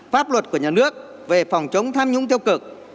pháp luật của nhà nước về phòng chống tham nhũng tiêu cực